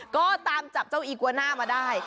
ก็ตามจับเจ้าอีกวาน่ามาได้